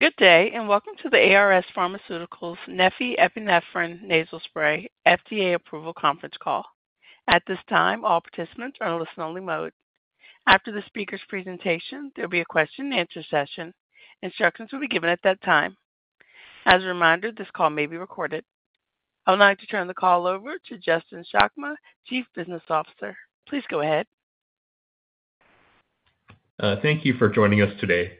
Good day, and welcome to the ARS Pharmaceuticals neffy Epinephrine Nasal Spray FDA approval conference call. At this time, all participants are in listen-only mode. After the speaker's presentation, there'll be a question and answer session. Instructions will be given at that time. As a reminder, this call may be recorded. I would like to turn the call over to Justin Chakma, Chief Business Officer. Please go ahead. Thank you for joining us today.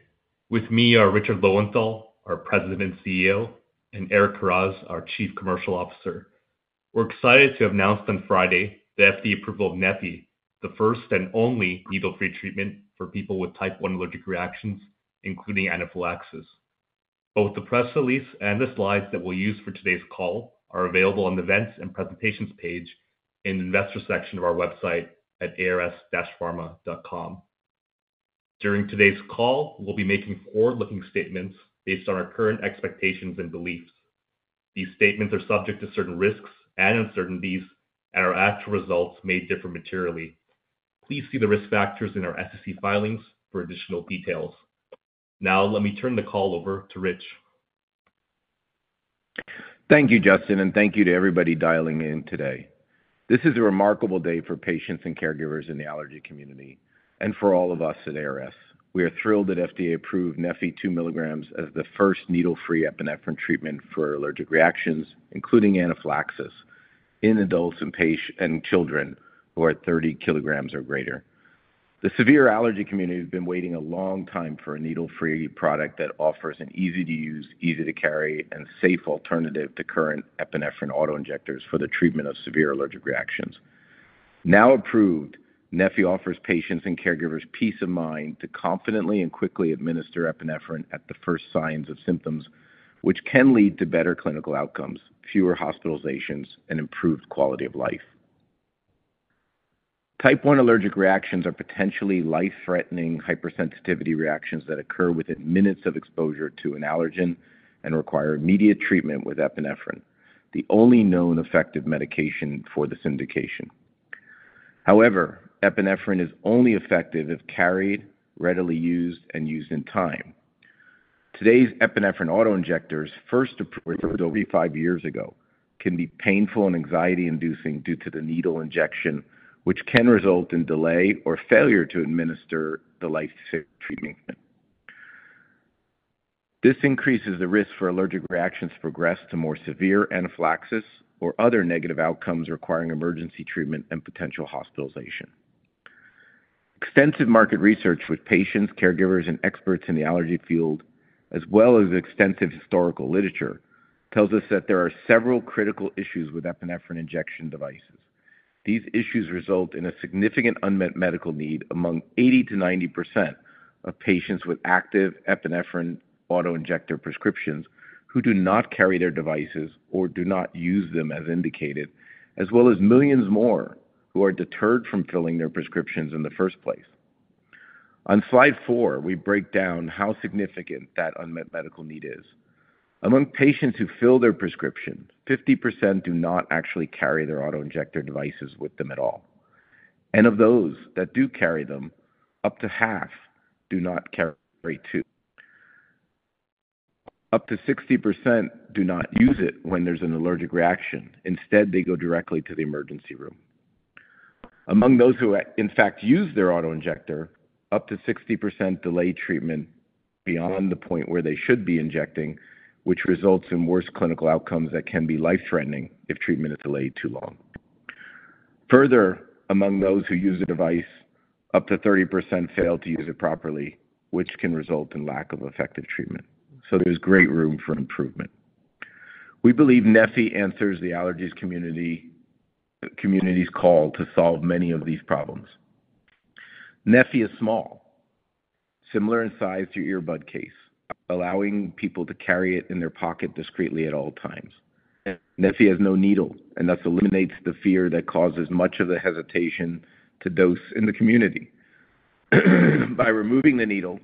With me are Richard Lowenthal, our President and CEO, and Eric Karas, our Chief Commercial Officer. We're excited to announce on Friday the FDA approval of neffy, the first and only needle-free treatment for people with Type I allergic reactions, including anaphylaxis. Both the press release and the slides that we'll use for today's call are available on the Events and Presentations page in the Investor section of our website at ars-pharma.com. During today's call, we'll be making forward-looking statements based on our current expectations and beliefs. These statements are subject to certain risks and uncertainties, and our actual results may differ materially. Please see the risk factors in our SEC filings for additional details. Now, let me turn the call over to Rich. Thank you, Justin, and thank you to everybody dialing in today. This is a remarkable day for patients and caregivers in the allergy community and for all of us at ARS. We are thrilled that FDA approved neffy 2 mg as the first needle-free epinephrine treatment for allergic reactions, including anaphylaxis, in adults, patients and children who are 30 kilograms or greater. The severe allergy community has been waiting a long time for a needle-free product that offers an easy-to-use, easy-to-carry, and safe alternative to current epinephrine auto-injectors for the treatment of severe allergic reactions. Now approved, neffy offers patients and caregivers peace of mind to confidently and quickly administer epinephrine at the first signs of symptoms, which can lead to better clinical outcomes, fewer hospitalizations, and improved quality of life. Type I allergic reactions are potentially life-threatening hypersensitivity reactions that occur within minutes of exposure to an allergen and require immediate treatment with epinephrine, the only known effective medication for this indication. However, epinephrine is only effective if carried, readily used, and used in time. Today's epinephrine auto-injectors, first approved over five years ago, can be painful and anxiety-inducing due to the needle injection, which can result in delay or failure to administer the life-saving treatment. This increases the risk for allergic reactions to progress to more severe anaphylaxis or other negative outcomes requiring emergency treatment and potential hospitalization. Extensive market research with patients, caregivers, and experts in the allergy field, as well as extensive historical literature, tells us that there are several critical issues with epinephrine injection devices. These issues result in a significant unmet medical need among 80%-90% of patients with active epinephrine auto-injector prescriptions who do not carry their devices or do not use them as indicated, as well as millions more who are deterred from filling their prescriptions in the first place. On Slide 4, we break down how significant that unmet medical need is. Among patients who fill their prescription, 50% do not actually carry their auto-injector devices with them at all, and of those that do carry them, up to half do not carry 2. Up to 60% do not use it when there's an allergic reaction. Instead, they go directly to the emergency room. Among those who, in fact, use their auto-injector, up to 60% delay treatment beyond the point where they should be injecting, which results in worse clinical outcomes that can be life-threatening if treatment is delayed too long. Further, among those who use the device, up to 30% fail to use it properly, which can result in lack of effective treatment. So there's great room for improvement. We believe neffy answers the allergy community's call to solve many of these problems. neffy is small, similar in size to earbud case, allowing people to carry it in their pocket discreetly at all times. neffy has no needle, and thus eliminates the fear that causes much of the hesitation to dose in the community. By removing the needle,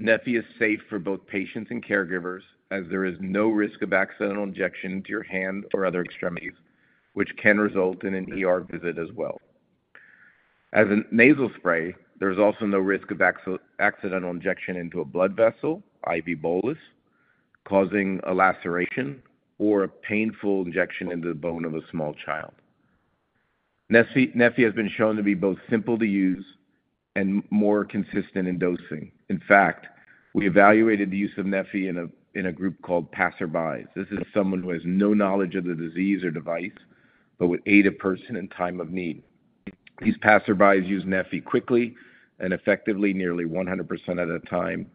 neffy is safe for both patients and caregivers, as there is no risk of accidental injection into your hand or other extremities, which can result in an ER visit as well. As a nasal spray, there's also no risk of accidental injection into a blood vessel, IV bolus, causing a laceration or a painful injection into the bone of a small child. neffy, neffy has been shown to be both simple to use and more consistent in dosing. In fact, we evaluated the use of neffy in a group called passersby. This is someone who has no knowledge of the disease or device, but would aid a person in time of need. These passersby use neffy quickly and effectively, nearly 100% at a time,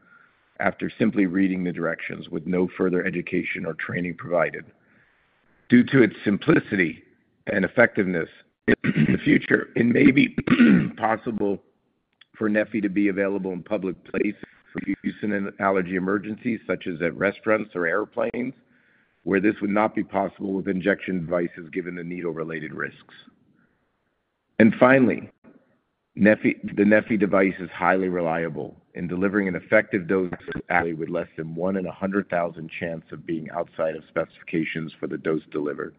after simply reading the directions with no further education or training provided. Due to its simplicity and effectiveness, in the future, it may be possible for neffy to be available in public place for use in an allergy emergency, such as at restaurants or airplanes, where this would not be possible with injection devices, given the needle-related risks. Finally, neffy, the neffy device is highly reliable in delivering an effective dose with less than one in 100,000 chance of being outside of specifications for the dose delivered.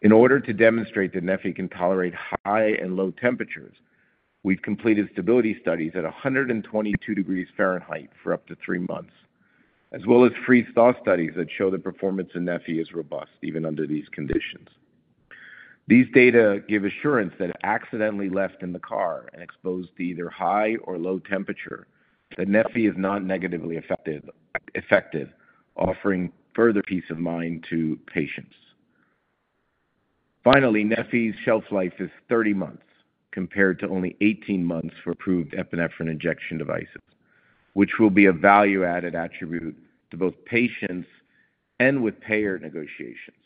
In order to demonstrate that neffy can tolerate high and low temperatures, we've completed stability studies at 122 degrees Fahrenheit for up to three months, as well as freeze-thaw studies that show the performance in neffy is robust even under these conditions. These data give assurance that accidentally left in the car and exposed to either high or low temperature, that neffy is not negatively effective, effective, offering further peace of mind to patients. Finally, neffy's shelf life is 30 months, compared to only 18 months for approved epinephrine injection devices, which will be a value-added attribute to both patients and with payer negotiations.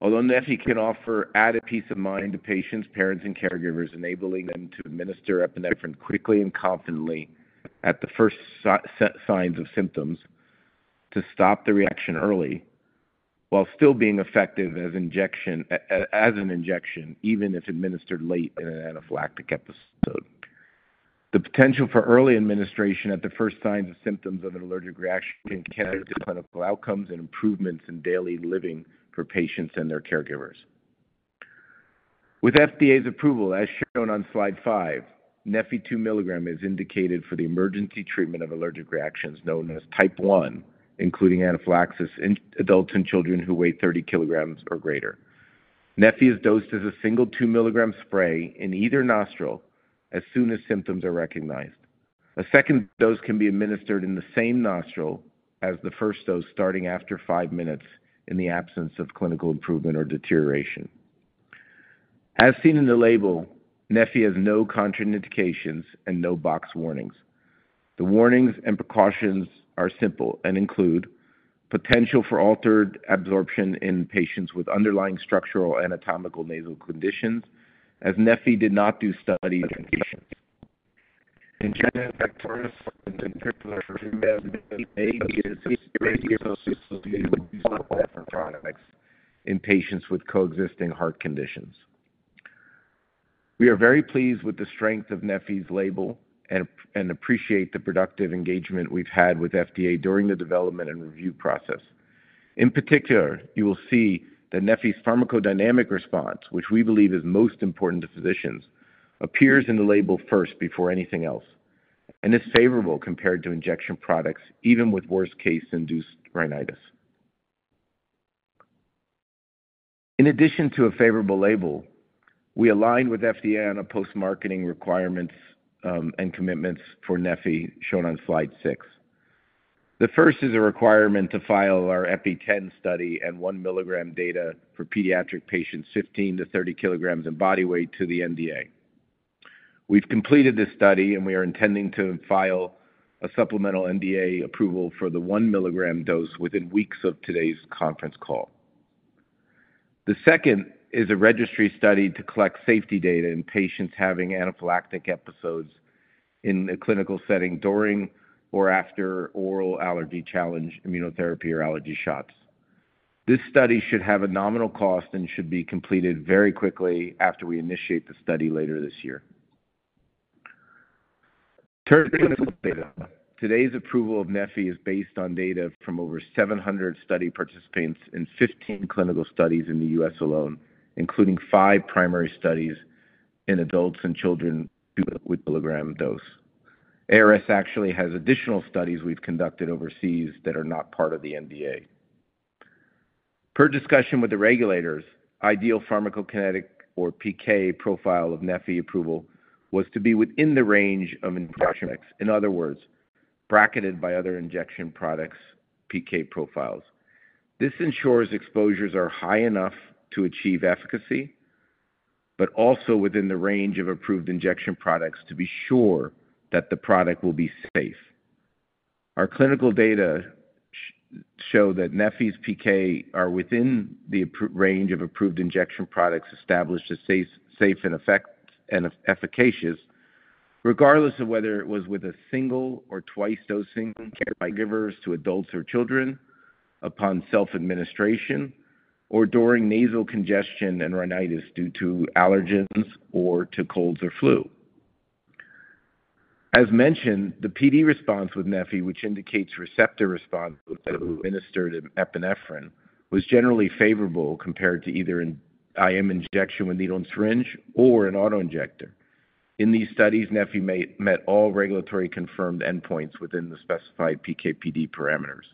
Although neffy can offer added peace of mind to patients, parents, and caregivers, enabling them to administer epinephrine quickly and confidently at the first signs of symptoms to stop the reaction early, while still being effective as an injection, even if administered late in an anaphylactic episode. The potential for early administration at the first signs of symptoms of an allergic reaction can lead to clinical outcomes and improvements in daily living for patients and their caregivers. With FDA's approval, as shown on Slide 5, neffy 2 mg is indicated for the emergency treatment of allergic reactions known as Type I, including anaphylaxis in adults and children who weigh 30 kg or greater. neffy is dosed as a single 2-mg spray in either nostril as soon as symptoms are recognized. A second dose can be administered in the same nostril as the first dose, starting after five minutes in the absence of clinical improvement or deterioration. As seen in the label, neffy has no contraindications and no box warnings. The warnings and precautions are simple and include potential for altered absorption in patients with underlying structural anatomical nasal conditions, as neffy did not do studies in patients. In general, factor in particular may be associated with different products in patients with coexisting heart conditions. We are very pleased with the strength of neffy's label and appreciate the productive engagement we've had with FDA during the development and review process. In particular, you will see that neffy's pharmacodynamic response, which we believe is most important to physicians, appears in the label first before anything else, and is favorable compared to injection products, even with worst-case induced rhinitis. In addition to a favorable label, we aligned with FDA on post-marketing requirements and commitments for neffy, shown on Slide 6. The first is a requirement to file our EPI-10 study and 1 mg data for pediatric patients, 15 to 30 kilograms of body weight to the NDA. We've completed this study, and we are intending to file a supplemental NDA approval for the 1 mg dose within weeks of today's conference call. The second is a registry study to collect safety data in patients having anaphylactic episodes in a clinical setting during or after oral allergy challenge, immunotherapy, or allergy shots. This study should have a nominal cost and should be completed very quickly after we initiate the study later this year. Turning to data, today's approval of neffy is based on data from over 700 study participants in 15 clinical studies in the U.S. alone, including five primary studies in adults and children with milligram dose. ARS actually has additional studies we've conducted overseas that are not part of the NDA. Per discussion with the regulators, ideal pharmacokinetic or PK profile of neffy approval was to be within the range of injection. In other words, bracketed by other injection products, PK profiles. This ensures exposures are high enough to achieve efficacy, but also within the range of approved injection products to be sure that the product will be safe. Our clinical data show that neffy's PK are within the range of approved injection products established as safe and effective and efficacious, regardless of whether it was with a single or twice dosing caregivers to adults or children upon self-administration or during nasal congestion and rhinitis due to allergens or to colds or flu. As mentioned, the PD response with neffy, which indicates receptor response administered epinephrine, was generally favorable compared to either an IM injection with needle and syringe or an auto-injector. In these studies, neffy met all regulatory confirmed endpoints within the specified PK/PD parameters.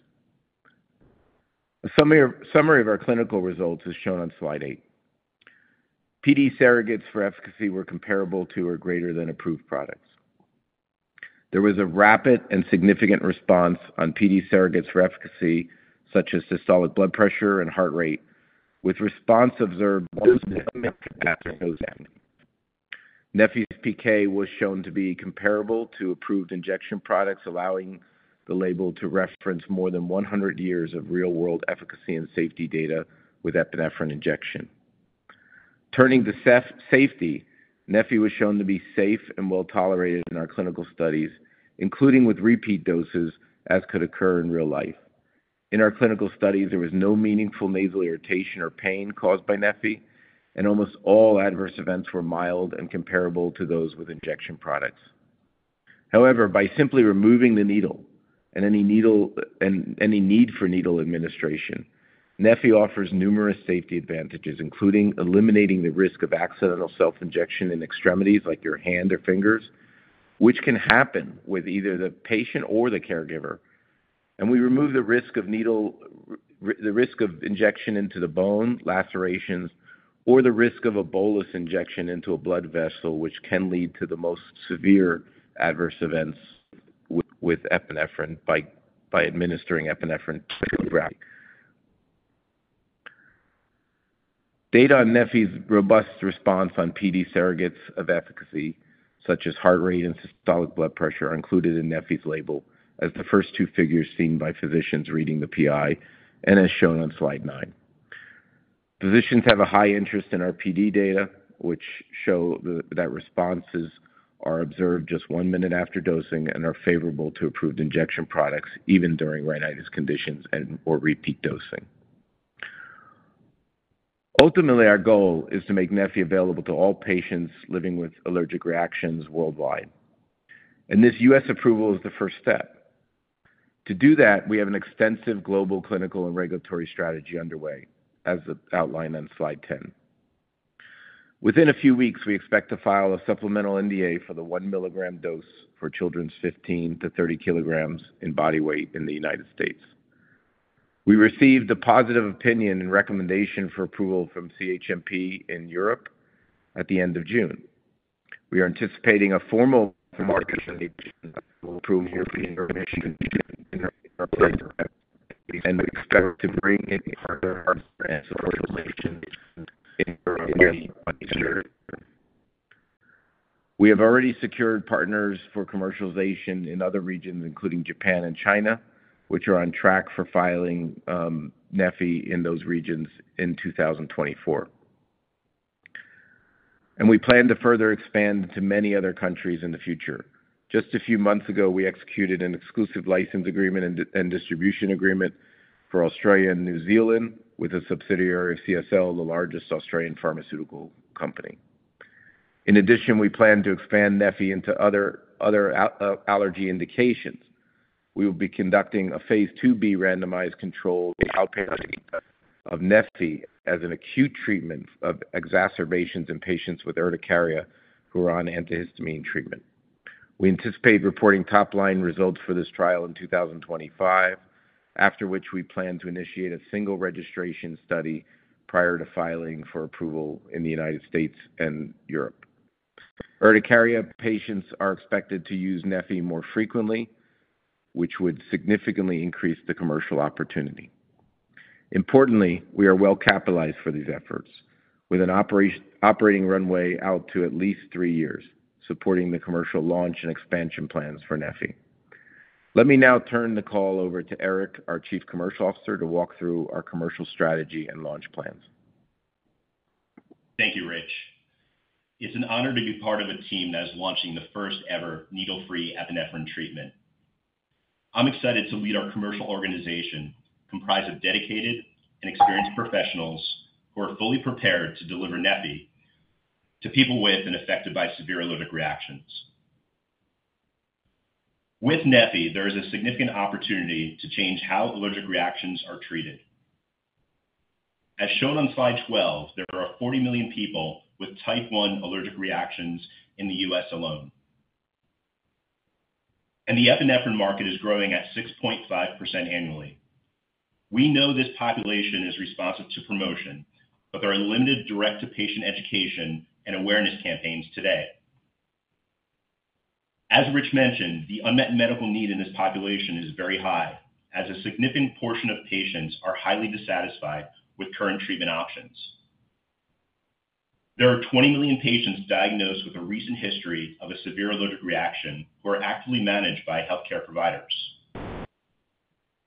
A summary of our clinical results is shown on Slide 8. PD surrogates for efficacy were comparable to or greater than approved products. There was a rapid and significant response on PD surrogates for efficacy, such as systolic blood pressure and heart rate, with response observed after dosing. neffy's PK was shown to be comparable to approved injection products, allowing the label to reference more than 100 years of real-world efficacy and safety data with epinephrine injection. Turning to safety, neffy was shown to be safe and well tolerated in our clinical studies, including with repeat doses as could occur in real life. In our clinical studies, there was no meaningful nasal irritation or pain caused by neffy, and almost all adverse events were mild and comparable to those with injection products. However, by simply removing the needle and any needle-- and any need for needle administration, neffy offers numerous safety advantages, including eliminating the risk of accidental self-injection in extremities like your hand or fingers, which can happen with either the patient or the caregiver. We remove the risk of needle, the risk of injection into the bone, lacerations, or the risk of a bolus injection into a blood vessel, which can lead to the most severe adverse events with epinephrine by administering epinephrine. Data on neffy's robust response on PD surrogates of efficacy, such as heart rate and systolic blood pressure, are included in neffy's label as the first two figures seen by physicians reading the PI and as shown on Slide 9. Physicians have a high interest in our PD data, which show that responses are observed just one minute after dosing and are favorable to approved injection products, even during rhinitis conditions and or repeat dosing. Ultimately, our goal is to make neffy available to all patients living with allergic reactions worldwide, and this U.S. approval is the first step. To do that, we have an extensive global clinical and regulatory strategy underway, as outlined on Slide 10. Within a few weeks, we expect to file a supplemental NDA for the 1 mg dose for children's 15 kg-30 kg in body weight in the United States. We received a positive opinion and recommendation for approval from CHMP in Europe at the end of June. We are anticipating a formal and we expect to bring in partner commercialization in Europe. We have already secured partners for commercialization in other regions, including Japan and China, which are on track for filing neffy in those regions in 2024. We plan to further expand to many other countries in the future. Just a few months ago, we executed an exclusive license agreement and distribution agreement for Australia and New Zealand with a subsidiary of CSL, the largest Australian pharmaceutical company. In addition, we plan to expand neffy into other allergy indications. We will be conducting a Phase 2b randomized controlled outpatient study of neffy as an acute treatment of exacerbations in patients with urticaria who are on antihistamine treatment. We anticipate reporting top-line results for this trial in 2025, after which we plan to initiate a single registration study prior to filing for approval in the United States and Europe. Urticaria patients are expected to use neffy more frequently, which would significantly increase the commercial opportunity. Importantly, we are well capitalized for these efforts with an operating runway out to at least three years, supporting the commercial launch and expansion plans for neffy. Let me now turn the call over to Eric, our Chief Commercial Officer, to walk through our commercial strategy and launch plans. Thank you, Rich. It's an honor to be part of a team that is launching the first-ever needle-free epinephrine treatment. I'm excited to lead our commercial organization, comprised of dedicated and experienced professionals who are fully prepared to deliver neffy to people with and affected by severe allergic reactions. With neffy, there is a significant opportunity to change how allergic reactions are treated. As shown on Slide 12, there are 40 million people with Type 1 allergic reactions in the U.S. alone. The epinephrine market is growing at 6.5% annually. We know this population is responsive to promotion, but there are limited direct-to-patient education and awareness campaigns today. As Rich mentioned, the unmet medical need in this population is very high, as a significant portion of patients are highly dissatisfied with current treatment options. There are 20 million patients diagnosed with a recent history of a severe allergic reaction who are actively managed by healthcare providers.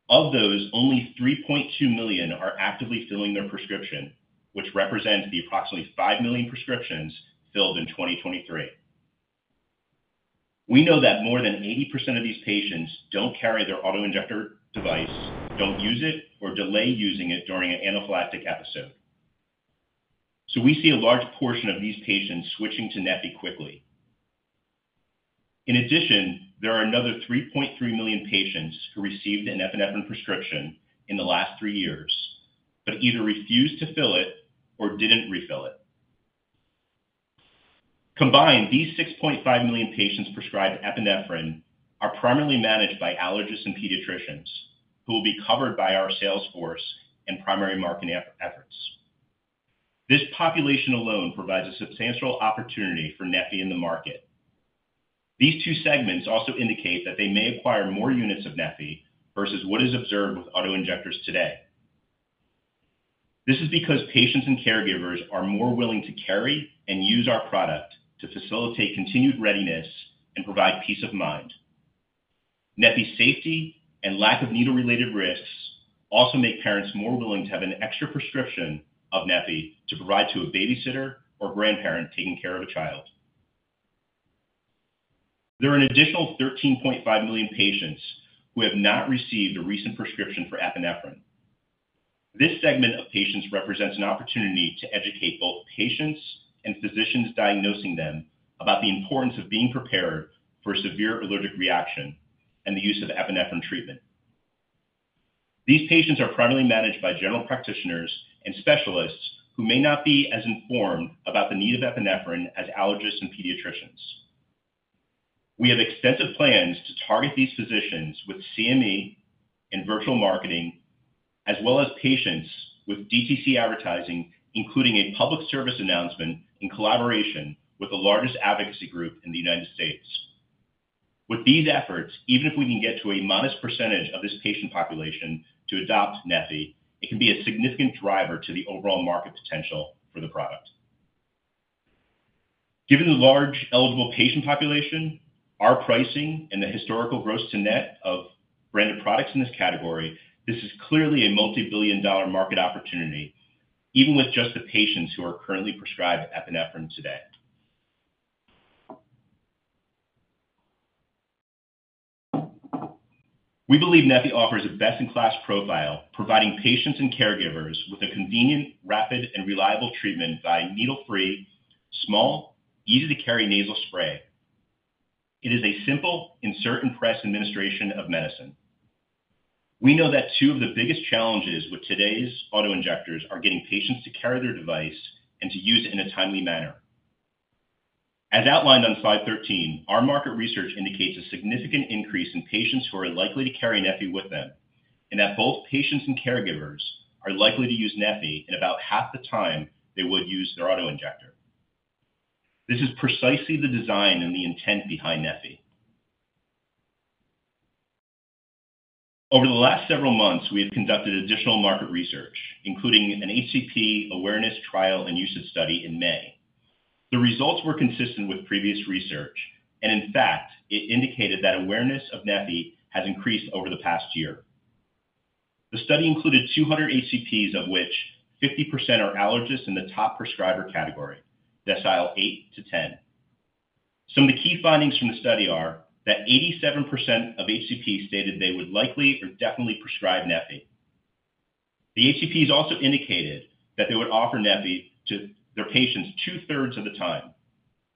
Of those, only 3.2 million are actively filling their prescription, which represents the approximately 5 million prescriptions filled in 2023. We know that more than 80% of these patients don't carry their auto-injector device, don't use it, or delay using it during an anaphylactic episode. So we see a large portion of these patients switching to neffy quickly. In addition, there are another 3.3 million patients who received an epinephrine prescription in the last three years, but either refused to fill it or didn't refill it. Combined, these 6.5 million patients prescribed epinephrine are primarily managed by allergists and pediatricians, who will be covered by our sales force and primary marketing efforts. This population alone provides a substantial opportunity for neffy in the market. These two segments also indicate that they may acquire more units of neffy versus what is observed with auto-injectors today. This is because patients and caregivers are more willing to carry and use our product to facilitate continued readiness and provide peace of mind. neffy's safety and lack of needle-related risks also make parents more willing to have an extra prescription of neffy to provide to a babysitter or grandparent taking care of a child. There are an additional 13.5 million patients who have not received a recent prescription for epinephrine. This segment of patients represents an opportunity to educate both patients and physicians diagnosing them about the importance of being prepared for a severe allergic reaction and the use of epinephrine treatment. These patients are primarily managed by general practitioners and specialists who may not be as informed about the need of epinephrine as allergists and pediatricians. We have extensive plans to target these physicians with CME and virtual marketing, as well as patients with DTC advertising, including a public service announcement in collaboration with the largest advocacy group in the United States. With these efforts, even if we can get to a modest percentage of this patient population to adopt neffy, it can be a significant driver to the overall market potential for the product. Given the large eligible patient population, our pricing, and the historical gross to net of branded products in this category, this is clearly a multi-billion dollar market opportunity, even with just the patients who are currently prescribed epinephrine today. We believe neffy offers a best-in-class profile, providing patients and caregivers with a convenient, rapid, and reliable treatment by needle-free, small, easy-to-carry nasal spray. It is a simple insert and press administration of medicine. We know that two of the biggest challenges with today's auto-injectors are getting patients to carry their device and to use it in a timely manner. As outlined on Slide 13, our market research indicates a significant increase in patients who are likely to carry neffy with them, and that both patients and caregivers are likely to use neffy in about half the time they would use their auto-injector. This is precisely the design and the intent behind neffy. Over the last several months, we have conducted additional market research, including an HCP awareness trial and usage study in May. The results were consistent with previous research, and in fact, it indicated that awareness of neffy has increased over the past year. The study included 200 HCPs, of which 50% are allergists in the top prescriber category, decile eight to 10. Some of the key findings from the study are that 87% of HCPs stated they would likely or definitely prescribe neffy. The HCPs also indicated that they would offer neffy to their patients two-thirds of the time,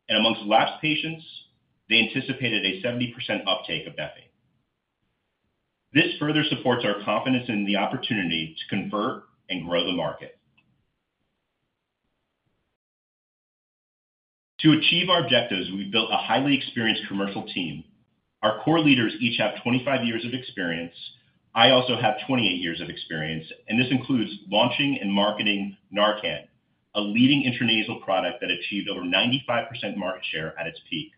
and amongst lapsed patients, they anticipated a 70% uptake of neffy. This further supports our confidence in the opportunity to convert and grow the market. To achieve our objectives, we've built a highly experienced commercial team. Our core leaders each have 25 years of experience. I also have 28 years of experience, and this includes launching and marketing Narcan, a leading intranasal product that achieved over 95% market share at its peak.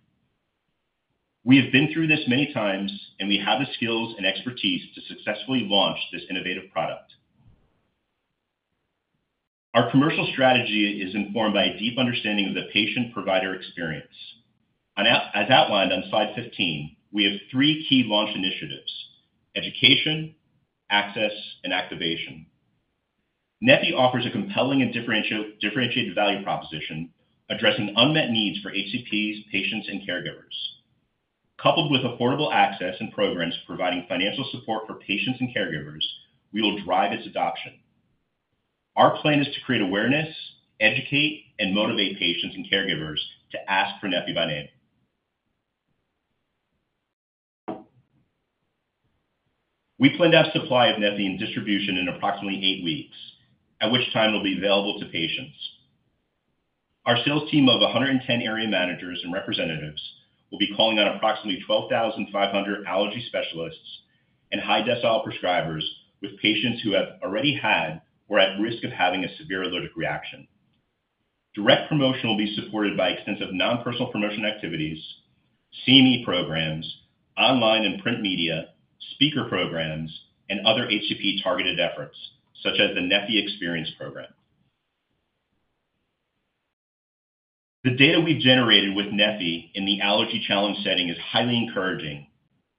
We have been through this many times, and we have the skills and expertise to successfully launch this innovative product. Our commercial strategy is informed by a deep understanding of the patient-provider experience. As outlined on Slide 15, we have three key launch initiatives: education, access, and activation. neffy offers a compelling and differentiated value proposition, addressing unmet needs for HCPs, patients, and caregivers. Coupled with affordable access and programs providing financial support for patients and caregivers, we will drive its adoption. Our plan is to create awareness, educate, and motivate patients and caregivers to ask for neffy by name. We plan to have supply of neffy in distribution in approximately 8 weeks, at which time it will be available to patients. Our sales team of 110 area managers and representatives will be calling on approximately 12,500 allergy specialists and high decile prescribers with patients who have already had or are at risk of having a severe allergic reaction. Direct promotion will be supported by extensive non-personal promotion activities, CME programs, online and print media, speaker programs, and other HCP-targeted efforts, such as the neffy Experience Program. The data we've generated with neffy in the allergy challenge setting is highly encouraging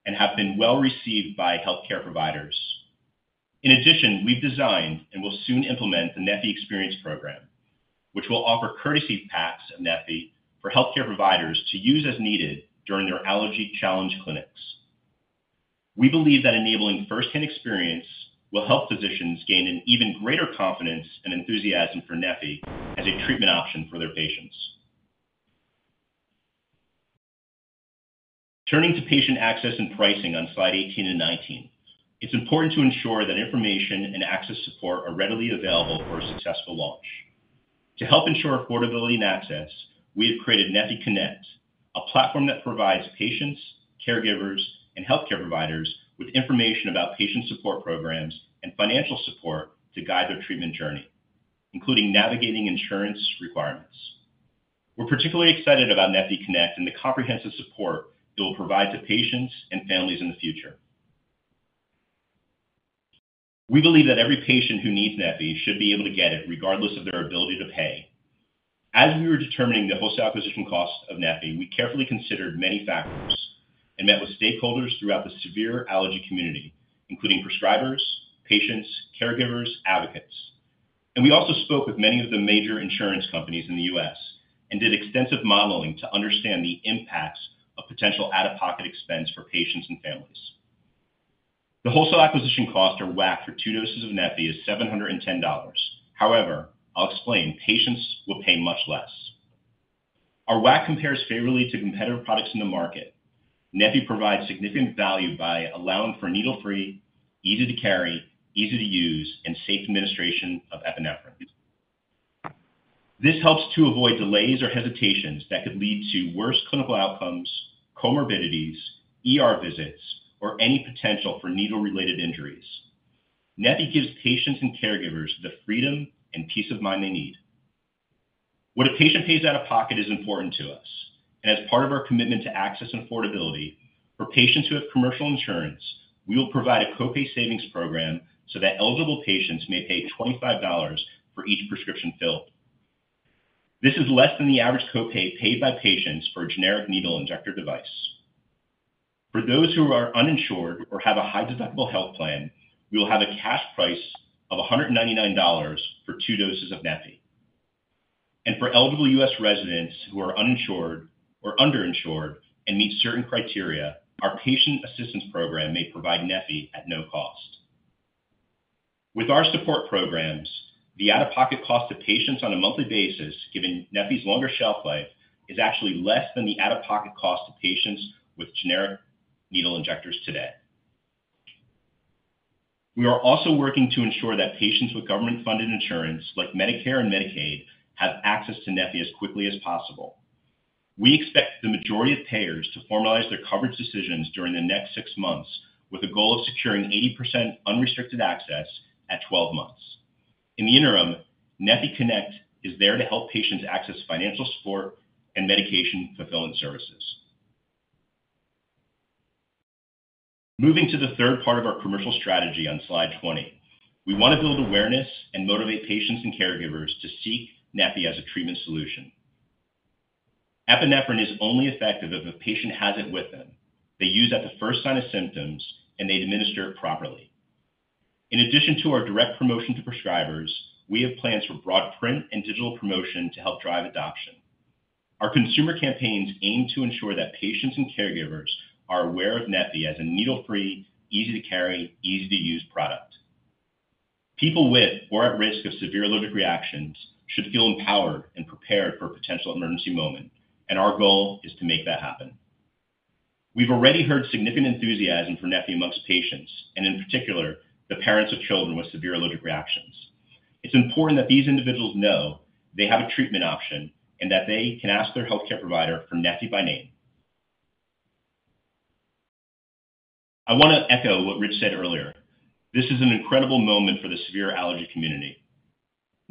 and have been well received by healthcare providers. In addition, we've designed and will soon implement the neffy Experience Program, which will offer courtesy packs of neffy for healthcare providers to use as needed during their allergy challenge clinics. We believe that enabling first-hand experience will help physicians gain an even greater confidence and enthusiasm for neffy as a treatment option for their patients. Turning to patient access and pricing on Slide 18 and 19, it's important to ensure that information and access support are readily available for a successful launch. To help ensure affordability and access, we have created neffy Connect, a platform that provides patients, caregivers, and healthcare providers with information about patient support programs and financial support to guide their treatment journey, including navigating insurance requirements. We're particularly excited about neffy Connect and the comprehensive support it will provide to patients and families in the future. We believe that every patient who needs neffy should be able to get it, regardless of their ability to pay. As we were determining the wholesale acquisition cost of neffy, we carefully considered many factors and met with stakeholders throughout the severe allergy community, including prescribers, patients, caregivers, advocates. We also spoke with many of the major insurance companies in the U.S. and did extensive modeling to understand the impacts of potential out-of-pocket expense for patients and families. The wholesale acquisition cost or WAC for 2 doses of neffy is $710. However, I'll explain, patients will pay much less. Our WAC compares favorably to competitive products in the market. neffy provides significant value by allowing for needle-free, easy to carry, easy to use, and safe administration of epinephrine. This helps to avoid delays or hesitations that could lead to worse clinical outcomes, comorbidities, ER visits, or any potential for needle-related injuries. neffy gives patients and caregivers the freedom and peace of mind they need. What a patient pays out of pocket is important to us, and as part of our commitment to access and affordability, for patients who have commercial insurance, we will provide a copay savings program so that eligible patients may pay $25 for each prescription filled. This is less than the average copay paid by patients for a generic needle injector device. For those who are uninsured or have a high-deductible health plan, we will have a cash price of $199 for 2 doses of neffy. For eligible U.S. residents who are uninsured or underinsured and meet certain criteria, our patient assistance program may provide neffy at no cost. With our support programs, the out-of-pocket cost to patients on a monthly basis, given neffy's longer shelf life, is actually less than the out-of-pocket cost to patients with generic needle injectors today. We are also working to ensure that patients with government-funded insurance, like Medicare and Medicaid, have access to neffy as quickly as possible. We expect the majority of payers to formalize their coverage decisions during the next six months, with a goal of securing 80% unrestricted access at 12 months. In the interim, neffy Connect is there to help patients access financial support and medication fulfillment services. Moving to the third part of our commercial strategy on Slide 20, we want to build awareness and motivate patients and caregivers to seek neffy as a treatment solution. Epinephrine is only effective if a patient has it with them, they use at the first sign of symptoms, and they administer it properly. In addition to our direct promotion to prescribers, we have plans for broad print and digital promotion to help drive adoption. Our consumer campaigns aim to ensure that patients and caregivers are aware of neffy as a needle-free, easy to carry, easy-to-use product. People with or at risk of severe allergic reactions should feel empowered and prepared for a potential emergency moment, and our goal is to make that happen. We've already heard significant enthusiasm for neffy amongst patients, and in particular, the parents of children with severe allergic reactions. It's important that these individuals know they have a treatment option and that they can ask their healthcare provider for neffy by name. I want to echo what Rich said earlier. This is an incredible moment for the severe allergy community.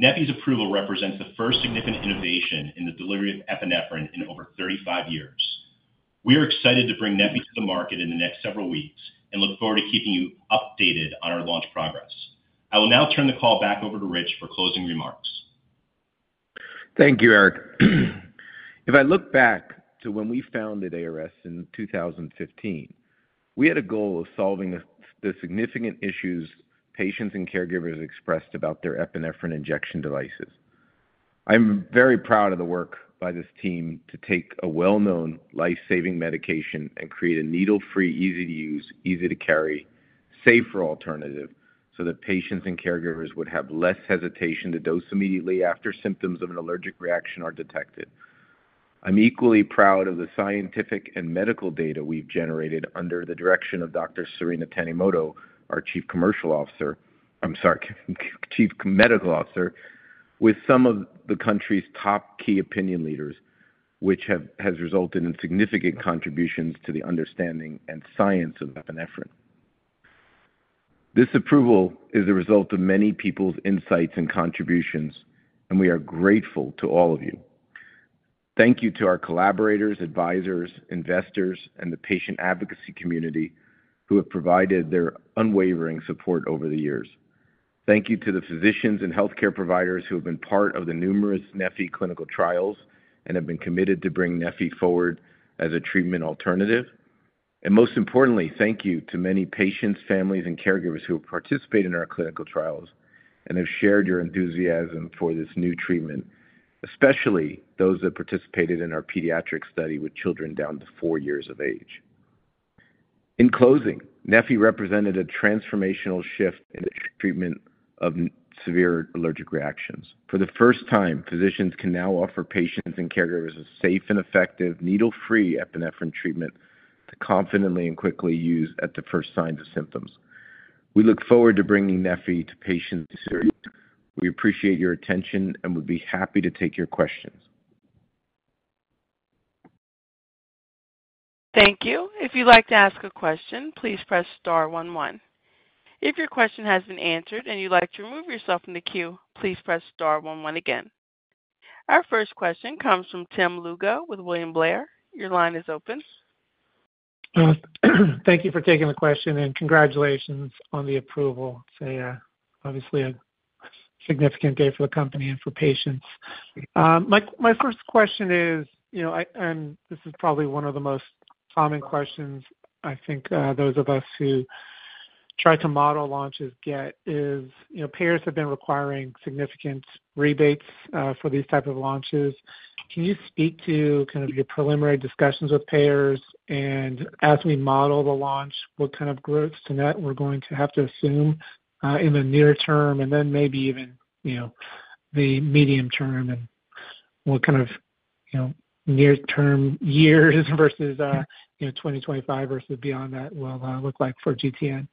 neffy's approval represents the first significant innovation in the delivery of epinephrine in over 35 years. We are excited to bring neffy to the market in the next several weeks and look forward to keeping you updated on our launch progress. I will now turn the call back over to Rich for closing remarks. Thank you, Eric. If I look back to when we founded ARS in 2015, we had a goal of solving the significant issues patients and caregivers expressed about their epinephrine injection devices. I'm very proud of the work by this team to take a well-known, life-saving medication and create a needle-free, easy to use, easy to carry, safer alternative, so that patients and caregivers would have less hesitation to dose immediately after symptoms of an allergic reaction are detected. I'm equally proud of the scientific and medical data we've generated under the direction of Dr. Sarina Tanimoto, our Chief Commercial Officer. I'm sorry, Chief Medical Officer, with some of the country's top key opinion leaders, which has resulted in significant contributions to the understanding and science of epinephrine. This approval is a result of many people's insights and contributions, and we are grateful to all of you. Thank you to our collaborators, advisors, investors, and the patient advocacy community who have provided their unwavering support over the years. Thank you to the physicians and healthcare providers who have been part of the numerous neffy clinical trials and have been committed to bring neffy forward as a treatment alternative. Most importantly, thank you to many patients, families, and caregivers who have participated in our clinical trials and have shared your enthusiasm for this new treatment, especially those that participated in our pediatric study with children down to four years of age. In closing, neffy represented a transformational shift in the treatment of severe allergic reactions. For the first time, physicians can now offer patients and caregivers a safe and effective needle-free epinephrine treatment to confidently and quickly use at the first sign of symptoms. We look forward to bringing neffy to patients this year. We appreciate your attention and would be happy to take your questions. Thank you. If you'd like to ask a question, please press star one, one. If your question has been answered and you'd like to remove yourself from the queue, please press star one one again. Our first question comes from Tim Lugo with William Blair. Your line is open. Thank you for taking the question, and congratulations on the approval. It's obviously a significant day for the company and for patients. My first question is, you know, and this is probably one of the most common questions I think those of us who try to model launches get is, you know, payers have been requiring significant rebates for these type of launches. Can you speak to kind of your preliminary discussions with payers? And as we model the launch, what kind of gross to net we're going to have to assume in the near term, and then maybe even, you know, the medium term, and what kind of, you know, near term years versus, you know, 2025 versus beyond that will look like for GTN?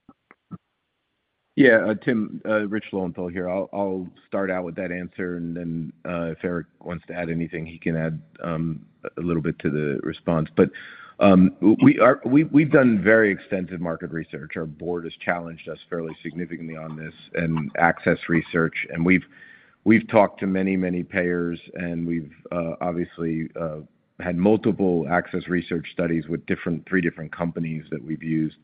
Yeah, Tim, Rich Lowenthal here. I'll start out with that answer, and then, if Eric wants to add anything, he can add a little bit to the response. But we are—we've done very extensive market research. Our board has challenged us fairly significantly on this and access research, and we've talked to many, many payers, and we've obviously had multiple access research studies with three different companies that we've used.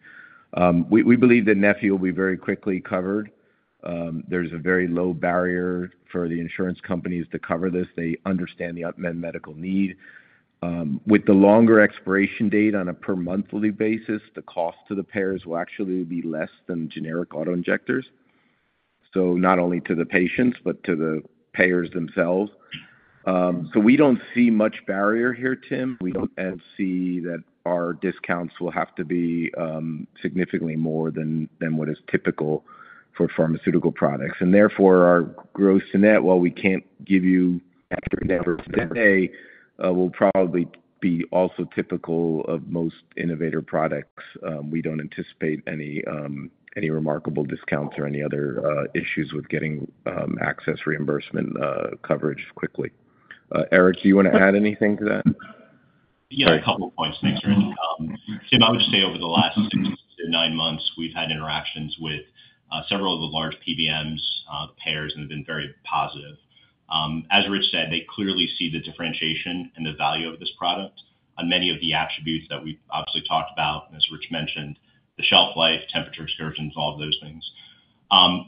We believe that neffy will be very quickly covered. There's a very low barrier for the insurance companies to cover this. They understand the unmet medical need. With the longer expiration date on a per monthly basis, the cost to the payers will actually be less than generic auto injectors, so not only to the patients, but to the payers themselves. So we don't see much barrier here, Tim. We don't see that our discounts will have to be significantly more than what is typical for pharmaceutical products. And therefore, our gross to net, while we can't give you accurate numbers today, will probably be also typical of most innovator products. We don't anticipate any remarkable discounts or any other issues with getting access, reimbursement, coverage quickly. Eric, do you want to add anything to that? Yeah, a couple points. Thanks, Rich. Tim, I would say over the last six to nine months, we've had interactions with several of the large PBMs, payers, and have been very positive. As Rich said, they clearly see the differentiation and the value of this product on many of the attributes that we've obviously talked about, and as Rich mentioned, the shelf life, temperature excursions, all of those things.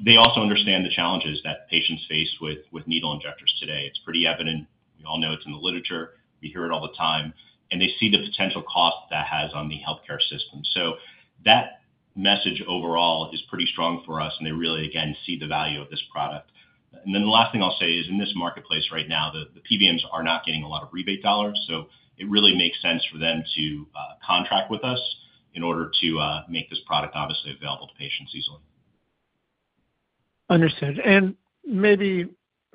They also understand the challenges that patients face with needle injectors today. It's pretty evident. We all know it's in the literature. We hear it all the time, and they see the potential cost that has on the healthcare system. So that message overall is pretty strong for us, and they really, again, see the value of this product. And then the last thing I'll say is, in this marketplace right now, the PBMs are not getting a lot of rebate dollars, so it really makes sense for them to contract with us in order to make this product obviously available to patients easily. Understood. And maybe,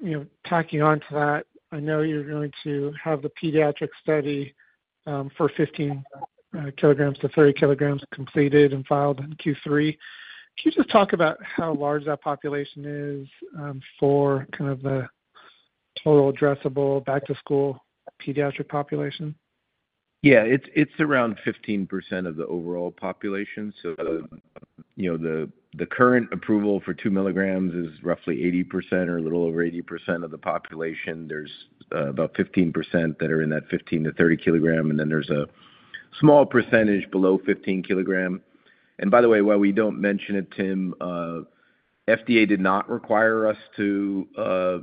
you know, tacking on to that, I know you're going to have the pediatric study for 15kg-30 kg completed and filed in Q3. Can you just talk about how large that population is for kind of the total addressable back-to-school pediatric population? Yeah, it's around 15% of the overall population. So, you know, the current approval for 2 mg is roughly 80% or a little over 80% of the population. There's about 15% that are in that 15kg-30 kg, and then there's a small percentage below 15 kg. And by the way, while we don't mention it, Tim, FDA did not require us to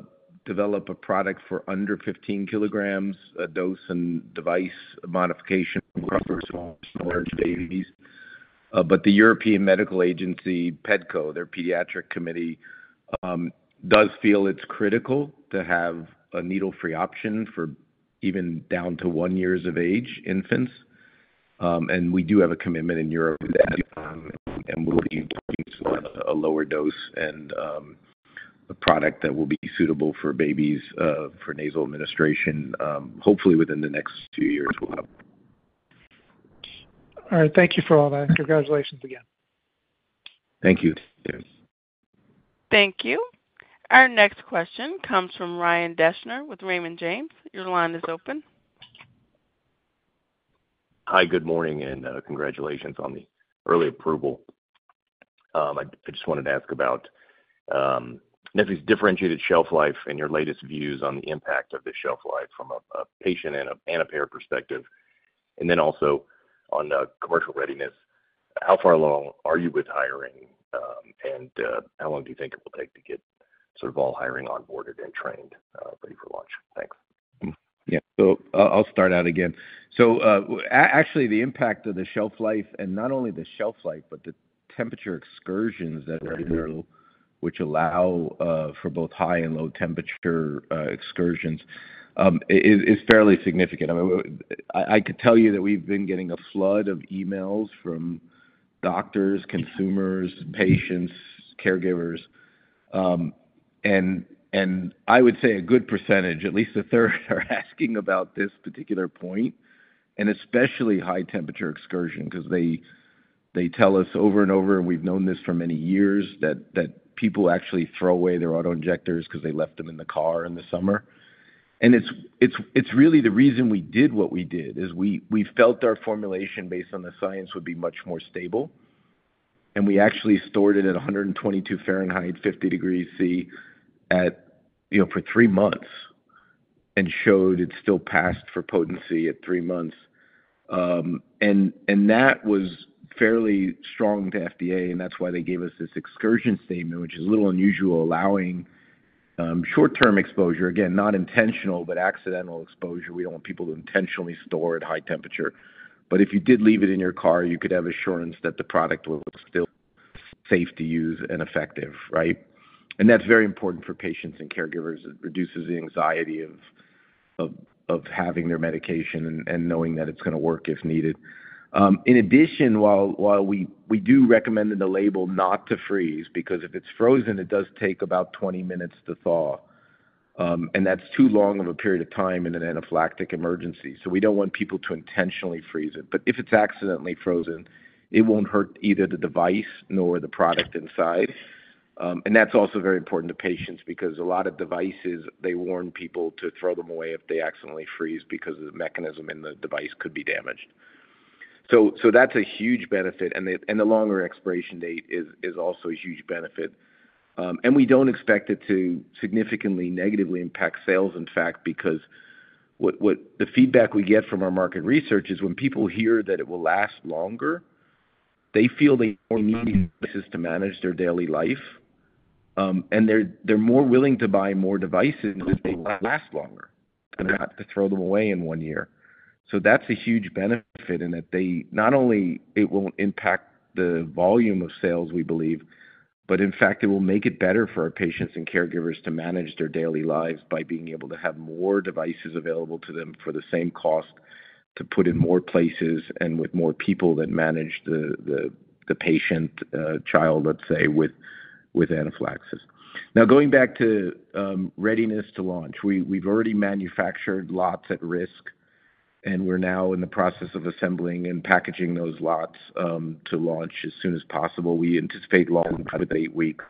develop a product for under 15 kg, a dose and device modification for small, small babies. But the European Medicines Agency, PDCO, their pediatric committee, does feel it's critical to have a needle-free option for even down to one years of age infants. And we do have a commitment in Europe, and we'll be a lower dose and a product that will be suitable for babies, for nasal administration, hopefully within the next two years we'll have. All right. Thank you for all that. Congratulations again. Thank you, Tim. Thank you. Our next question comes from Ryan Deschner with Raymond James. Your line is open. Hi, good morning, and congratulations on the early approval. I just wanted to ask about neffy's differentiated shelf life and your latest views on the impact of the shelf life from a patient and a payer perspective. And then also on commercial readiness, how far along are you with hiring, and how long do you think it will take to get sort of all hiring onboarded and trained ready for launch? Thanks. Yeah. So, I'll start out again. Actually, the impact of the shelf life and not only the shelf life, but the temperature excursions that allow for both high and low temperature excursions is fairly significant. I mean, I could tell you that we've been getting a flood of emails from doctors, consumers, patients, caregivers, and I would say a good percentage, at least a third, are asking about this particular point, and especially high temperature excursion. Because they tell us over and over, and we've known this for many years, that people actually throw away their auto injectors because they left them in the car in the summer. And it's really the reason we did what we did, is we felt our formulation, based on the science, would be much more stable. We actually stored it at 122 degrees Fahrenheit, 50 degrees Celsius, you know, for three months and showed it still passed for potency at three months. And that was fairly strong to FDA, and that's why they gave us this excursion statement, which is a little unusual, allowing short-term exposure, again, not intentional, but accidental exposure. We don't want people to intentionally store at high temperature. But if you did leave it in your car, you could have assurance that the product was still safe to use and effective, right? And that's very important for patients and caregivers. It reduces the anxiety of having their medication and knowing that it's going to work if needed. In addition, while we do recommend in the label not to freeze, because if it's frozen, it does take about 20 minutes to thaw. And that's too long of a period of time in an anaphylactic emergency. So we don't want people to intentionally freeze it. But if it's accidentally frozen, it won't hurt either the device nor the product inside. And that's also very important to patients because a lot of devices, they warn people to throw them away if they accidentally freeze because the mechanism in the device could be damaged. So that's a huge benefit, and the longer expiration date is also a huge benefit. And we don't expect it to significantly negatively impact sales, in fact, because the feedback we get from our market research is when people hear that it will last longer, they feel they more devices to manage their daily life. And they're more willing to buy more devices if they last longer and not to throw them away in one year. So that's a huge benefit in that they not only it won't impact the volume of sales, we believe, but in fact, it will make it better for our patients and caregivers to manage their daily lives by being able to have more devices available to them for the same cost, to put in more places and with more people that manage the patient, child, let's say, with anaphylaxis. Now, going back to readiness to launch. We've already manufactured lots at risk, and we're now in the process of assembling and packaging those lots to launch as soon as possible. We anticipate launching within 8 weeks,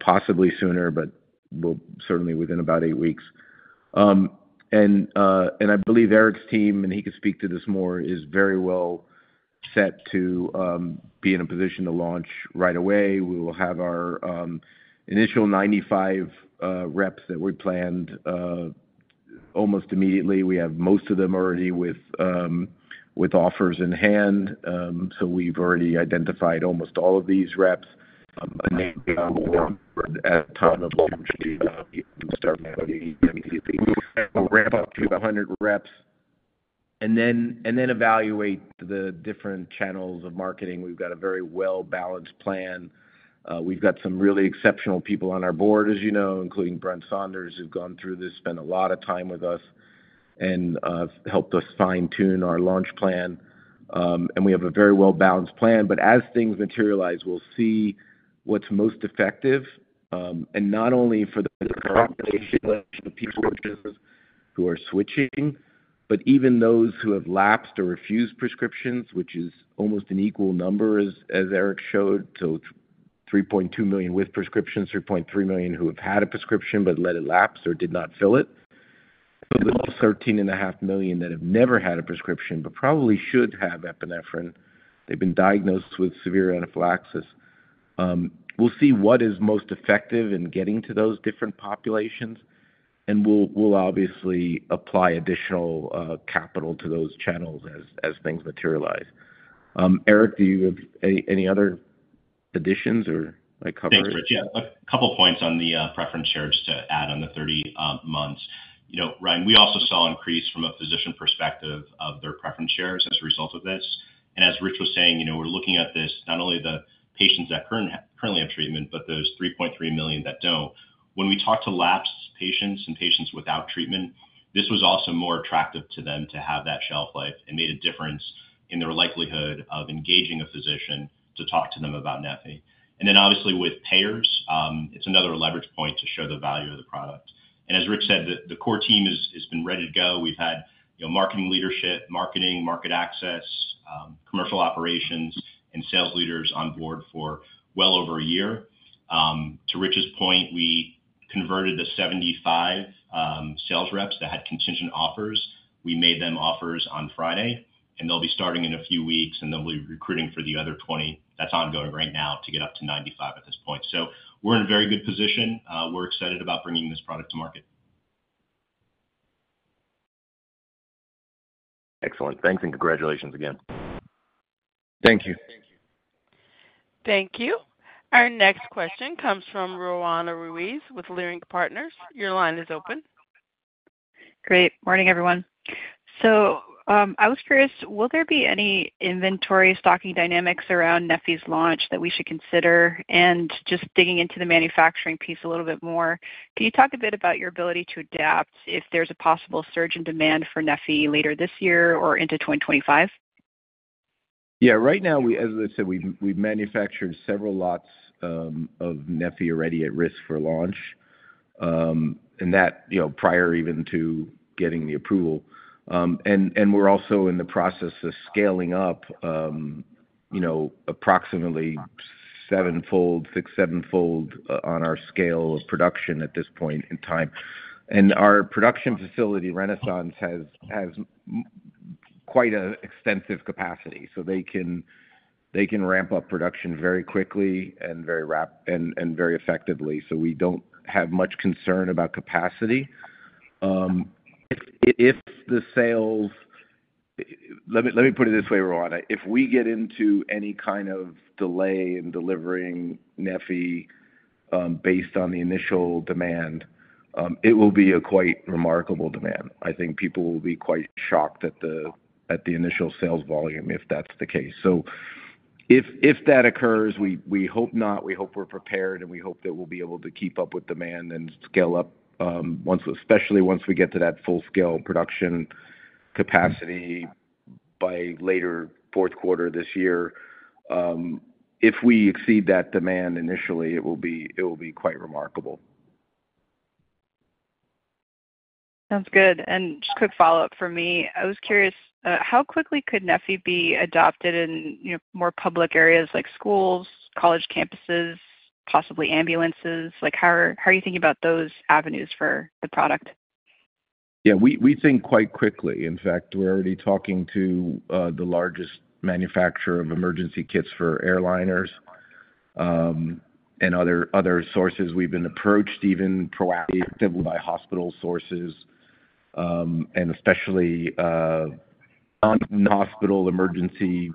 possibly sooner, but well, certainly within about 8 weeks. And I believe Eric's team, and he can speak to this more, is very well set to be in a position to launch right away. We will have our initial 95 reps that we planned almost immediately. We have most of them already with offers in hand. So we've already identified almost all of these reps at time to start ramp up to 100 reps, and then, and then evaluate the different channels of marketing. We've got a very well-balanced plan. We've got some really exceptional people on our board, as you know, including Brent Saunders, who've gone through this, spent a lot of time with us and helped us fine-tune our launch plan. We have a very well-balanced plan, but as things materialize, we'll see what's most effective, and not only for the population of people who are switching, but even those who have lapsed or refused prescriptions, which is almost an equal number as Eric showed. So 3.2 million with prescriptions, 3.3 million who have had a prescription but let it lapse or did not fill it. But there are also 13.5 million that have never had a prescription, but probably should have epinephrine. They've been diagnosed with severe anaphylaxis. We'll see what is most effective in getting to those different populations, and we'll obviously apply additional capital to those channels as things materialize. Eric, do you have any other additions or like coverage? Thanks, Rich. Yeah, a couple of points on the preference share, just to add on the 30 months. You know, Ryan, we also saw an increase from a physician perspective of their preference shares as a result of this. And as Rich was saying, you know, we're looking at this not only the patients that currently have treatment, but those 3.3 million that don't. When we talk to lapsed patients and patients without treatment, this was also more attractive to them to have that shelf life and made a difference in their likelihood of engaging a physician to talk to them about neffy. And then obviously with payers, it's another leverage point to show the value of the product. And as Rich said, the core team has been ready to go. We've had, you know, marketing leadership, marketing, market access, commercial operations, and sales leaders on board for well over a year. To Rich's point, we converted the 75 sales reps that had contingent offers. We made them offers on Friday, and they'll be starting in a few weeks, and then we'll be recruiting for the other 20. That's ongoing right now to get up to 95 at this point. So we're in a very good position. We're excited about bringing this product to market. Excellent. Thanks, and congratulations again. Thank you. Thank you. Our next question comes from Roanna Ruiz with Leerink Partners. Your line is open. Great. Morning, everyone. So, I was curious, will there be any inventory stocking dynamics around neffy's launch that we should consider? And just digging into the manufacturing piece a little bit more, can you talk a bit about your ability to adapt if there's a possible surge in demand for neffy later this year or into 2025? Yeah. Right now, as I said, we've manufactured several lots of neffy already at risk for launch, and that, you know, prior even to getting the approval. And we're also in the process of scaling up, you know, approximately 7-fold, 6, 7-fold on our scale of production at this point in time. And our production facility, Renaissance, has quite an extensive capacity. So they can ramp up production very quickly and very effectively. So we don't have much concern about capacity. If the sales... Let me put it this way, Roanna. If we get into any kind of delay in delivering neffy, based on the initial demand, it will be a quite remarkable demand. I think people will be quite shocked at the initial sales volume, if that's the case. So if that occurs, we hope not. We hope we're prepared, and we hope that we'll be able to keep up with demand and scale up, once, especially once we get to that full-scale production capacity by later fourth quarter this year. If we exceed that demand initially, it will be quite remarkable. Sounds good. Just quick follow-up for me. I was curious how quickly could neffy be adopted in, you know, more public areas like schools, college campuses, possibly ambulances? Like, how are you thinking about those avenues for the product? Yeah, we think quite quickly. In fact, we're already talking to the largest manufacturer of emergency kits for airliners and other sources. We've been approached even proactively by hospital sources and especially on hospital emergency,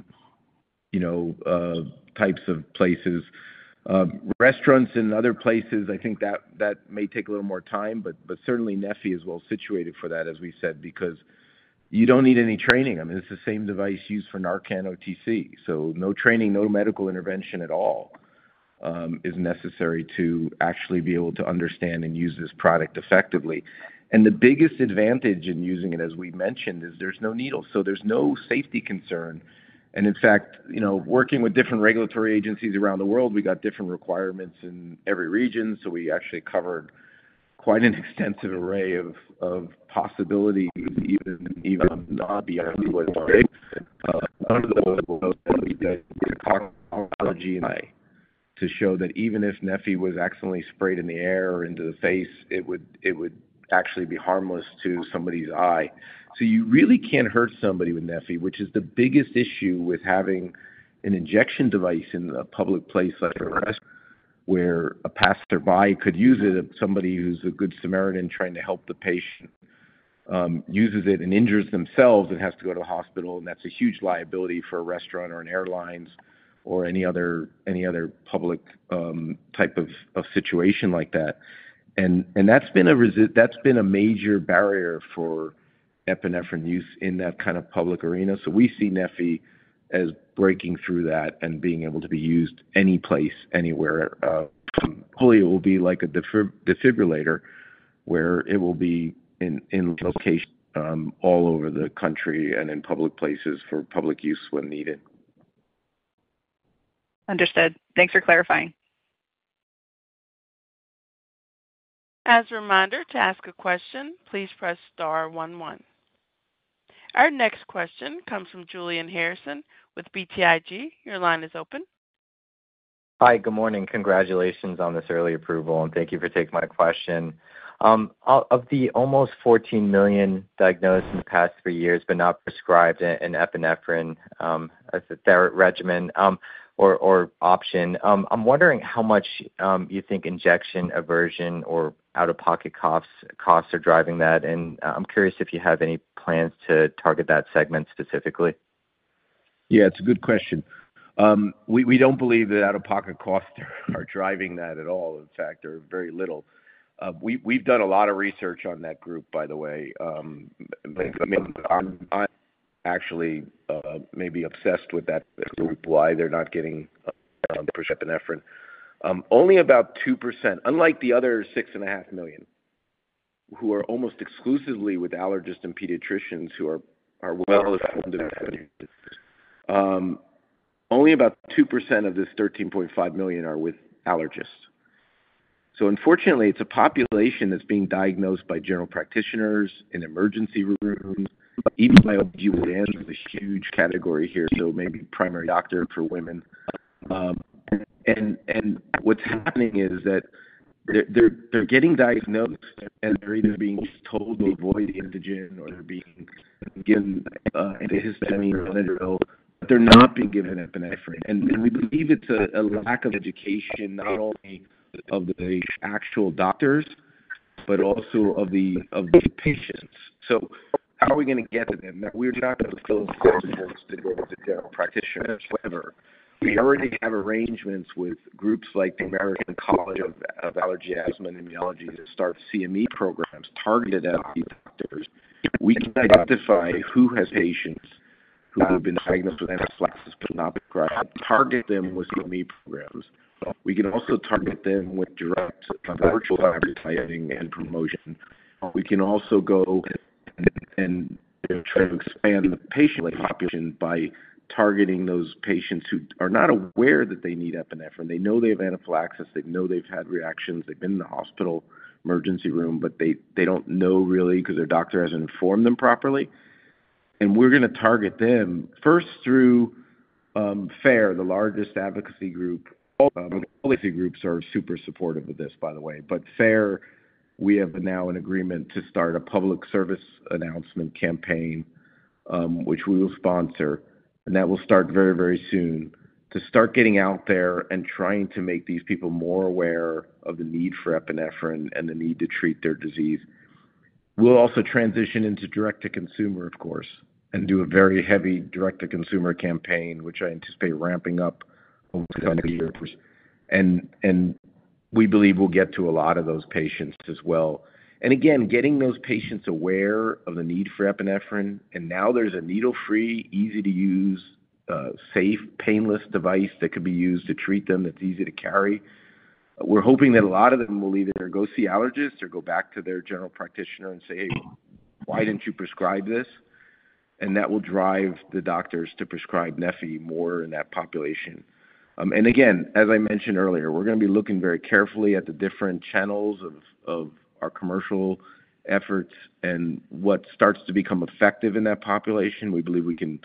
you know, types of places. Restaurants and other places, I think that may take a little more time, but certainly neffy is well situated for that, as we said, because you don't need any training. I mean, it's the same device used for Narcan OTC, so no training, no medical intervention at all is necessary to actually be able to understand and use this product effectively. And the biggest advantage in using it, as we mentioned, is there's no needle, so there's no safety concern. And in fact, you know, working with different regulatory agencies around the world, we got different requirements in every region, so we actually covered quite an extensive array of possibilities, even on none to show that even if neffy was accidentally sprayed in the air or into the face, it would actually be harmless to somebody's eye. So you really can't hurt somebody with neffy, which is the biggest issue with having an injection device in a public place like a restaurant, where a passerby could use it, if somebody who's a Good Samaritan trying to help the patient uses it and injures themselves and has to go to the hospital. And that's a huge liability for a restaurant or an airlines or any other public type of situation like that. That's been a major barrier for epinephrine use in that kind of public arena. So we see neffy as breaking through that and being able to be used any place, anywhere. Hopefully, it will be like a defib, defibrillator, where it will be in location all over the country and in public places for public use when needed. Understood. Thanks for clarifying. As a reminder, to ask a question, please press star one, one. Our next question comes from Julian Harrison with BTIG. Your line is open. Hi, good morning. Congratulations on this early approval, and thank you for taking my question. Out of the almost 14 million diagnosed in the past three years, but not prescribed an epinephrine as a therapy regimen or option, I'm wondering how much you think injection aversion or out-of-pocket costs are driving that? And, I'm curious if you have any plans to target that segment specifically. Yeah, it's a good question. We don't believe that out-of-pocket costs are driving that at all. In fact, they're very little. We've done a lot of research on that group, by the way. I'm actually maybe obsessed with that group, why they're not getting epinephrine. Only about 2%, unlike the other 6.5 million, who are almost exclusively with allergists and pediatricians who are well, only about 2% of this 13.5 million are with allergists. So unfortunately, it's a population that's being diagnosed by general practitioners in emergency rooms, even by OB-GYNs, is a huge category here, so maybe primary doctor for women. And what's happening is that they're getting diagnosed and they're either being told to avoid the antigen or they're being given an antihistamine or an inhaler. They're not being given epinephrine. And we believe it's a lack of education, not only of the actual doctors, but also of the patients. So how are we gonna get to them? Now, we're not going to go to general practitioners. However, we already have arrangements with groups like the American College of Allergy, Asthma, and Immunology, to start CME programs targeted at the doctors. We can identify who has patients who have been diagnosed with anaphylaxis, but not target them with CME programs. We can also target them with direct virtual advertising and promotion. We can also go and try to expand the patient population by targeting those patients who are not aware that they need epinephrine. They know they have anaphylaxis, they know they've had reactions, they've been in the hospital emergency room, but they don't know really because their doctor hasn't informed them properly. And we're gonna target them first through FARE, the largest advocacy group. All of the groups are super supportive of this, by the way, but FARE, we have now an agreement to start a public service announcement campaign, which we will sponsor, and that will start very, very soon to start getting out there and trying to make these people more aware of the need for epinephrine and the need to treat their disease. We'll also transition into direct-to-consumer, of course, and do a very heavy direct-to-consumer campaign, which I anticipate ramping up over the year. And we believe we'll get to a lot of those patients as well. And again, getting those patients aware of the need for epinephrine, and now there's a needle-free, easy-to-use, safe, painless device that could be used to treat them, that's easy to carry. We're hoping that a lot of them will either go see allergists or go back to their general practitioner and say, "Hey, why didn't you prescribe this?" And that will drive the doctors to prescribe neffy more in that population. And again, as I mentioned earlier, we're gonna be looking very carefully at the different channels of our commercial efforts and what starts to become effective in that population. We believe we can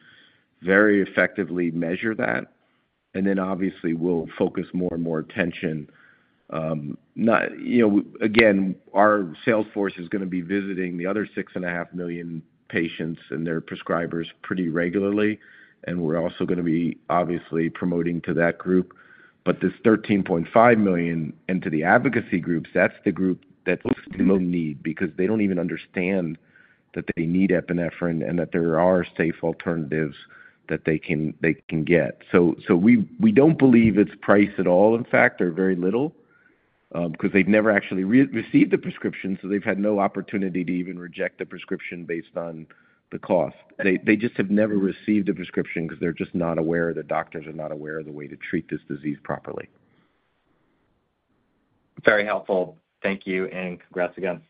very effectively measure that, and then obviously, we'll focus more and more attention. Not, you know, again, our sales force is gonna be visiting the other 6.5 million patients and their prescribers pretty regularly, and we're also gonna be obviously promoting to that group. But this 13.5 million into the advocacy groups, that's the group that looks the most need, because they don't even understand that they need epinephrine and that there are safe alternatives that they can get. So we don't believe it's price at all, in fact, or very little, because they've never actually received a prescription, so they've had no opportunity to even reject a prescription based on the cost. They just have never received a prescription because they're just not aware, the doctors are not aware of the way to treat this disease properly. Very helpful. Thank you, and congrats again.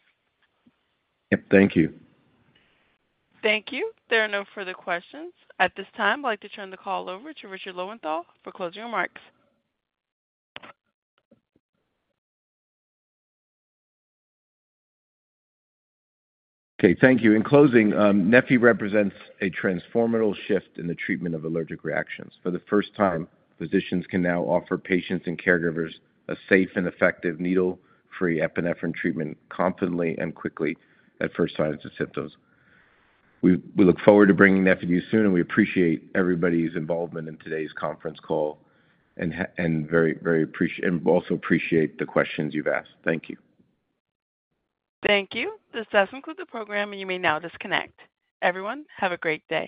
Yep, thank you. Thank you. There are no further questions. At this time, I'd like to turn the call over to Richard Lowenthal for closing remarks. Okay, thank you. In closing, neffy represents a transformative shift in the treatment of allergic reactions. For the first time, physicians can now offer patients and caregivers a safe and effective needle-free epinephrine treatment confidently and quickly at first signs of symptoms. We look forward to bringing neffy to you soon, and we appreciate everybody's involvement in today's conference call, and also appreciate the questions you've asked. Thank you. Thank you. This does conclude the program, and you may now disconnect. Everyone, have a great day.